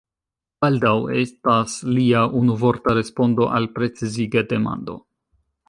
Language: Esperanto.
“Baldaŭ” estas lia unuvorta respondo al preciziga demando.